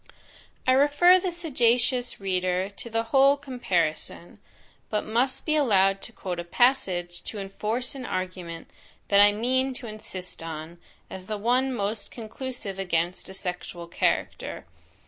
I refer the sagacious reader to the whole comparison; but must be allowed to quote a passage to enforce an argument that I mean to insist on, as the one most conclusive against a sexual character.